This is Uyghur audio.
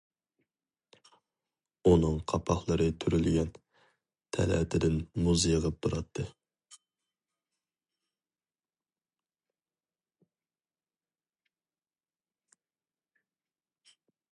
ئۇنىڭ قاپاقلىرى تۈرۈلگەن، تەلەتىدىن مۇز يېغىپ تۇراتتى.